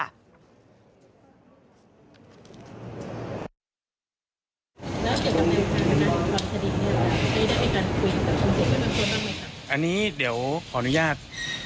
อันนี้เดี๋ยวขออนุญาต